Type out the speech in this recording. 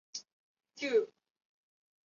对耶和华敬畏的热诚与忠心。